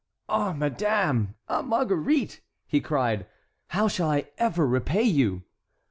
"Ah, madame! ah, Marguerite!" he cried, "how shall I ever repay you?"